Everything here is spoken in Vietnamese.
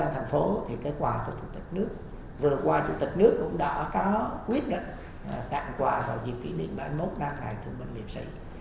trong thành phố thì cái quà của chủ tịch nước vừa qua chủ tịch nước cũng đã có quyết định tặng quà vào dịp kỷ niệm bảy mươi một năm ngày thủ mệnh liệt sĩ